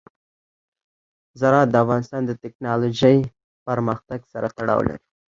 زراعت د افغانستان د تکنالوژۍ پرمختګ سره تړاو لري.